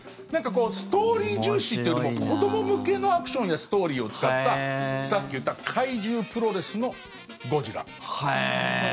ストーリー重視というよりも子ども向けのアクションやストーリーを使ったさっき言った怪獣プロレスのゴジラ。